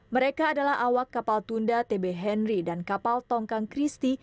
mereka adalah awak kapal tunda tb henry dan kapal tongkang christi